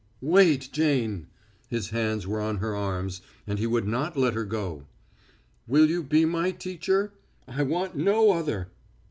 "Wait, Jane!" His hands were on her arms, and he would not let her go. "Will you be my teacher? I want no other."